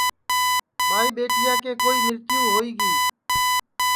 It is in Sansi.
ٻائی ٻیٹیا کے کوئی مرتیو ہوئی گی